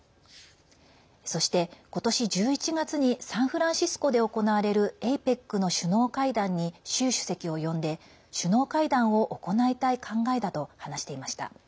そして今年１１月にサンフランシスコで行われるＡＰＥＣの首脳会談に習主席を呼んで首脳会談を行いたい考えだと話していました。